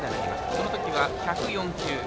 そのときは１０４球。